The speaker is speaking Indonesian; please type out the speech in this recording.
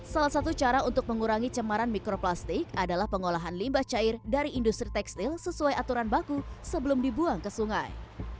salah satu cara untuk mengurangi cemaran mikroplastik adalah pengolahan limbah cair dari industri tekstil sesuai aturan baku sebelum dibuang ke sungai